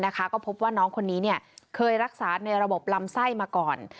ก็พบว่าน้องคนนี้เคยรักษาในระบบลำไส้มาก่อน